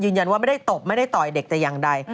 ว่าไม่ได้ตบไม่ได้ต่อยเด็กแต่อย่างใด